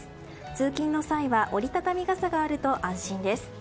通勤の際は折り畳み傘があると安心です。